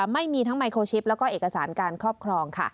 ไม่มีทั้งไมโครชิปแล้วก็เอกสารการครอบครองค่ะ